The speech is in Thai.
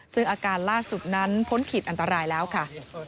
ซึ่งอาการล่าสุดนั้นพ้นขีดอันตรายแล้วค่ะ